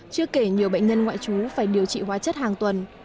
chưa kể nhiều bệnh nhân ngoại trú phải điều trị hóa chất hàng tuần